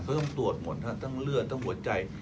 เขาต้องตรวจหมดทั้งเลือดทั้งหัวใจ